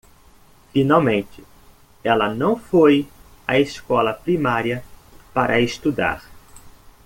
Finalmente, ela não foi à escola primária para estudar.